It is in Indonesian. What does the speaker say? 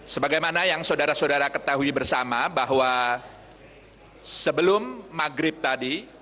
sebagaimana yang saudara saudara ketahui bersama bahwa sebelum maghrib tadi